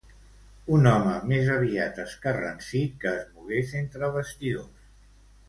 Un home més aviat escarransit, que és mogués entre bastidors.